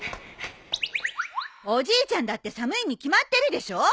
おじいちゃんだって寒いに決まってるでしょ？